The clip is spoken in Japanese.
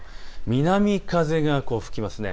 南風が吹きます。